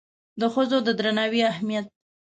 د ښځو د درناوي اهمیت